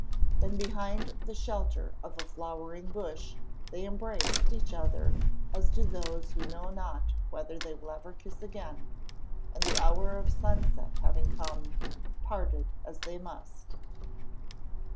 Then behind the shelter of a flowering bush they embraced each other as do those who know not whether they will ever kiss again, and, the hour of sunset having come, parted as they must.